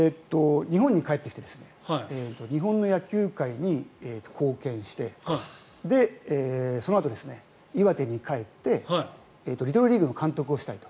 日本に帰ってきて日本の野球界に貢献してそのあと、岩手に帰ってリトルリーグの監督をしたいと。